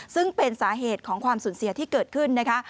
ซึ่งเป็นสาเหตุของความสูญเสียที่เกิดขึ้นนะคะ